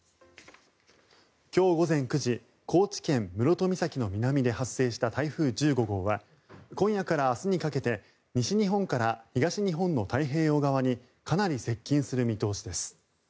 今日午前９時高知県・室戸岬の南で発生した台風１５号は今夜から明日にかけて西日本から東日本の太平洋側にかなり接近する見通しです。